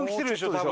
多分。